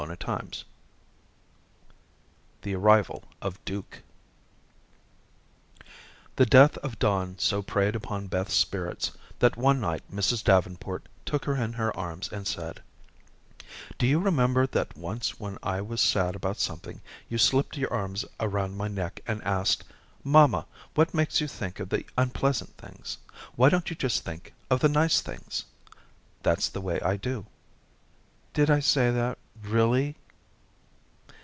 CHAPTER XII The Arrival of Duke The death of Don so preyed upon Beth's spirits, that one night Mrs. Davenport took her in her arms and said: "Do you remember that once when I was sad about something, you slipped your arms around my neck and asked, 'Mamma, what makes you think of the unpleasant things? why don't you just think of the nice things? That's the way I do.'" "Did I say that really?"